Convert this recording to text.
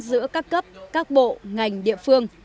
giữa các cấp các bộ ngành địa phương